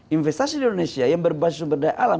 investasi di indonesia yang berbasis sumber daya alam